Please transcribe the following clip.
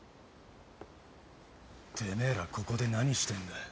てめえらここで何してんだよ。